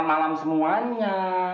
selamat malam semuanya